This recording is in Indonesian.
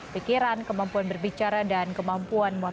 pikiran kemampuan berbicara dan kemampuan motor